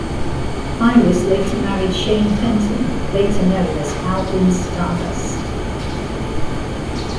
Iris later married Shane Fenton, later known as Alvin Stardust.